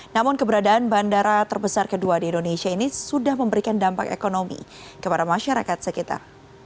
namun keberadaan bandara terbesar kedua di indonesia ini sudah memberikan dampak ekonomi kepada masyarakat sekitar